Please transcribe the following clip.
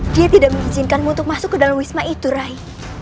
dia tidak mengizinkanmu untuk masuk ke dalam wisma itu rai